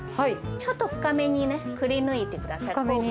ちょっと深めにね、くりぬいてく深めに。